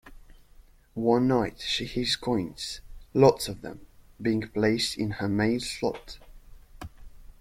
One night she hears coins, lots of them, being placed in her mail slot.